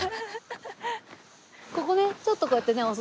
ここねちょっとこうやって押すだけでね。